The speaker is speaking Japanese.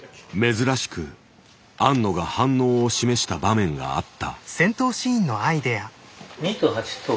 珍しく庵野が反応を示した場面があった。